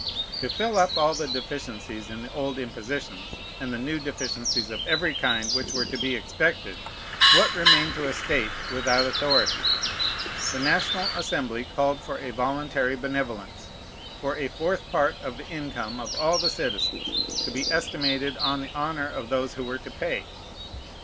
To fill up all the deficiencies in the old impositions, and the new deficiencies of every kind which were to be expected, what remained to a state without authority? The National Assembly called for a voluntary benevolence, for a fourth part of the income of all the citizens, to be estimated on the honor of those who were to pay.